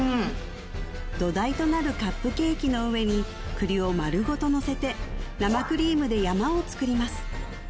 土台となるカップケーキの上に栗をまるごとのせて生クリームで山を作ります